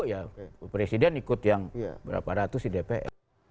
ya presiden ikut yang berapa ratus di dpr